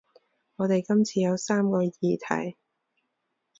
我哋今次有三個議題